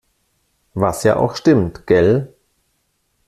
Was ja auch stimmt. Gell?